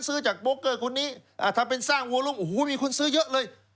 ซื้อจากโบเกอร์คนนี้ถ้าเป็นสร้างวัวลงโอ้โหมีคนซื้อเยอะเลย